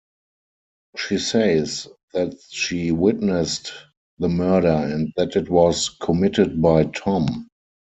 She says that she witnessed the murder and that it was committed by Tom.